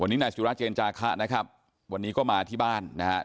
วันนี้นายสุราเจนจาคะนะครับวันนี้ก็มาที่บ้านนะครับ